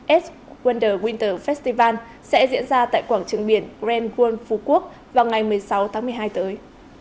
edge wonder winter festival sẽ diễn ra tại quảng trường biển grand world phú quốc vào ngày một mươi sáu tháng một mươi hai tới